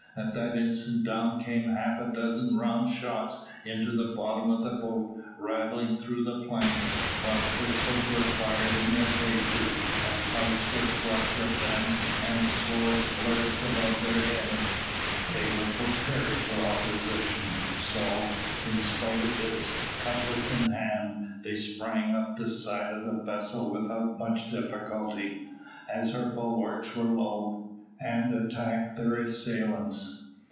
At that instant down came half a dozen round shots into the bottom of the boat, rattling through the planks, while pistols were fired in their faces, and pikes were thrust at them, and swords flourished above their heads. They were prepared for opposition, so, in spite of this, cutlass in hand, they sprang up the side of the vessel without much difficulty, as her bulwarks were low, and attacked their assailants.